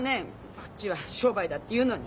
こっちは商売だっていうのに。